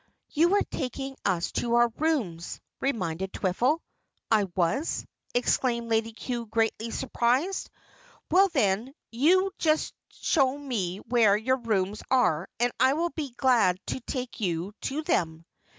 "You were taking us to our rooms," reminded Twiffle. "I was?" exclaimed Lady Cue greatly surprised. "Well, then you just show me where your rooms are and I will be glad to take you to them."